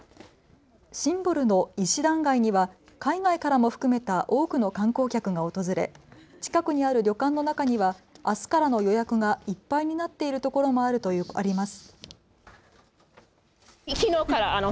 シンボルの石段街には海外からも含めた多くの観光客が訪れ近くにある旅館の中にはあすからの予約がいっぱいになっている所もあります。